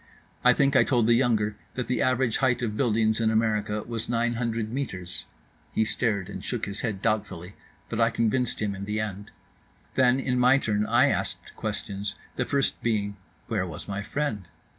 I think I told the younger that the average height of buildings in America was nine hundred metres. He stared and shook his head doubtfully, but I convinced him in the end. Then in my turn I asked questions, the first being: Where was my friend?